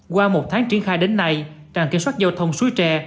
qua một tháng triển khai đến nay tràng kiểm soát giao thông suối tre